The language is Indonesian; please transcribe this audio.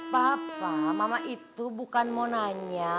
papa mama itu bukan mau nanya